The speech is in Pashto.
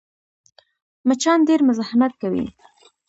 مچان ډېر مزاحمت کوي